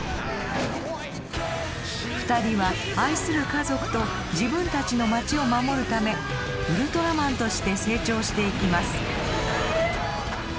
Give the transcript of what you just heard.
２人は愛する家族と自分たちの街を守るためウルトラマンとして成長していきます。